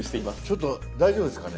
ちょっと大丈夫ですかね。